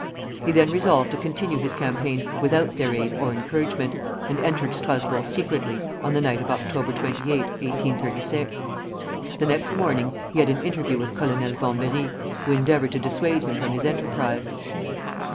He then resolved to continue his campaign without their aid or encouragement, and entered Strasburg secretly on the night of Oct. 28, 1836. The next morning he had an interview with Colonel Vambéry, who endeavored to dissuade him from his enterprise.